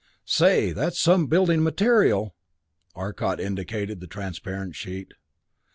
"Say that's some building material!" Arcot indicated the transparent sheet.